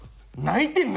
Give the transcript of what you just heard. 泣いてよ！